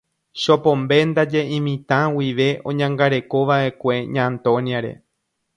Chopombe ndaje imitã guive oñangarekova'ekue Ña Antonia-re.